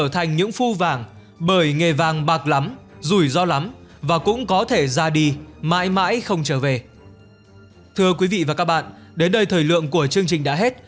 thưa quý vị và các bạn đến đây thời lượng của chương trình đã hết